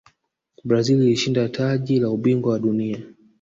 brazil ilishinda taji la ubingwa wa dunia